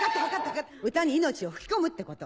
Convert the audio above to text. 歌に命を吹き込むってこと。